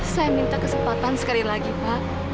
saya minta kesempatan sekali lagi pak